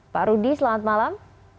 pak rudi selamat malam